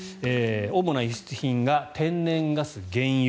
主な輸出品が天然ガス、原油。